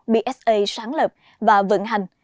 bsa sáng lập và vận hành